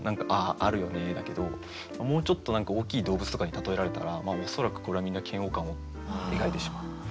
だけどもうちょっと何か大きい動物とかに例えられたら恐らくこれはみんな嫌悪感を抱いてしまう。